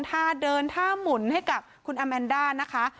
ท่าเดินท่าหมุนให้กับคุณอาแมนด้านะคะ